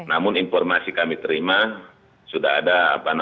namun informasi kami terima sudah ada apa namanya